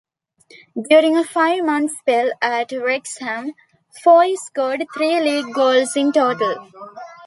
During a five-month spell at Wrexham, Foy scored three league goals in total.